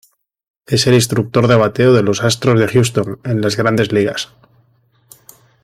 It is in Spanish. Es el instructor de bateo de los Astros de Houston en las Grandes Ligas.